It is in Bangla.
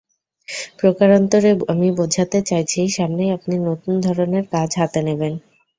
প্রকারান্তরে আমি বোঝাতে চাইছি, সামনেই আপনি নতুন ধরনের কাজ হাতে নেবেন।